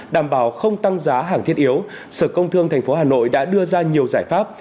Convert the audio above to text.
đảm bảo không tăng giá hàng thiết yếu sở công thương tp hà nội đã đưa ra nhiều giải pháp